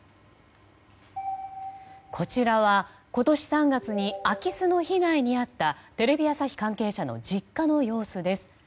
こちらは今年３月に空き巣の被害に遭ったテレビ朝日関係者の実家の様子です。